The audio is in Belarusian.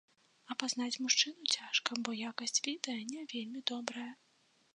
Апазнаць мужчыну цяжка, бо якасць відэа не вельмі добрая.